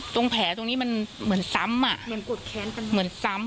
ตรงแผลตรงนี้มันเหมือนซ้ำอ่ะเหมือนกดแค้นกันเหมือนซ้ำ